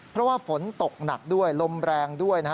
เพราะว่าฝนตกหนักด้วยลมแรงด้วยนะฮะ